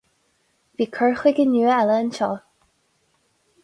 Bhí cur chuige nua eile anseo.